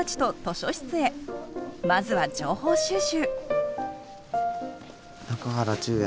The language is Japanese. まずは情報収集。